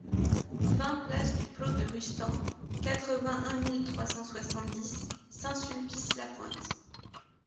vingt place du Plô de Rustan, quatre-vingt-un mille trois cent soixante-dix Saint-Sulpice-la-Pointe